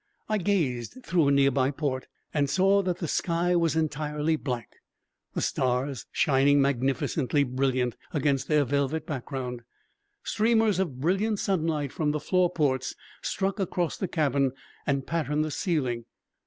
I gazed through a nearby port and saw that the sky was entirely black, the stars shining magnificently brilliant against their velvet background. Streamers of brilliant sunlight from the floor ports struck across the cabin and patterned the ceiling.